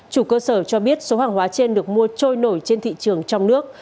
chủ cơ sở cho biết số hàng hóa trên được mua trôi nổi trên thị trường trong nước